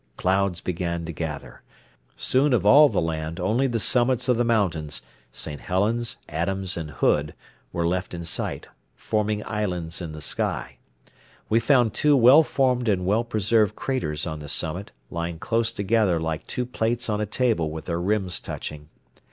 Clouds began to gather. Soon of all the land only the summits of the mountains, St. Helen's, Adams, and Hood, were left in sight, forming islands in the sky. We found two well formed and well preserved craters on the summit, lying close together like two plates on a table with their rims touching.